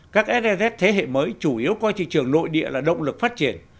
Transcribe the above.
các srz thế hệ mới chủ yếu coi thị trường nội địa là động lực phát triển